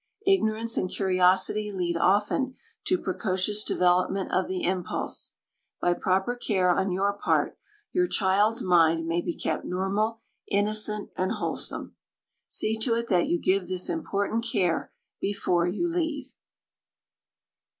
Ignorance and curiosity lead often to precocious development of the impulse. By proper care on your part, your child's mind may be kept normal, innocent, and wholesome. See to it that you give this important care before you leave.